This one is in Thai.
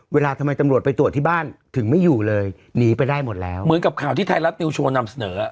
เวลาทำไมตำรวจไปตรวจที่บ้านถึงไม่อยู่เลยหนีไปได้หมดแล้วเหมือนกับข่าวที่ไทยรัฐนิวโชว์นำเสนอ